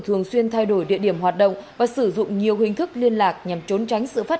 thường xuyên thay đổi địa điểm hoạt động và sử dụng nhiều hình thức liên lạc nhằm trốn tránh sự phát